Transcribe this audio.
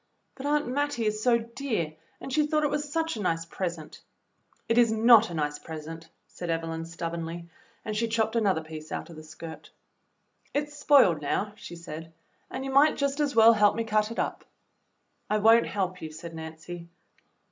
"But Aunt Mattie is so dear, and she thought it was such a nice present." "It is not a nice present," said Evelyn stubbornly, and she chopped another piece out of the skirt. " It 's spoiled now," she said, "and you might just as well help me cut it up." "I won't help you," said Nancy.